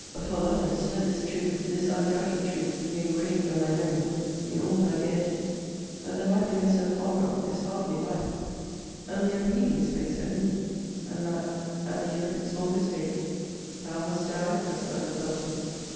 For, Lovelace, let this truth, this undoubted truth, be engraved on thy memory, in all thy gaieties, That the life we are so fond of is hardly life; a mere breathing space only; and that, at the end of its longest date, Thou must die, as well as Belton.